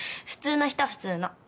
普通の人普通の。